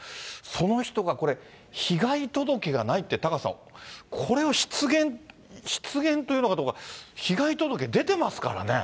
その人がこれ、被害届がないって、タカさん、これを失言というのかどうか、被害届出てますからね。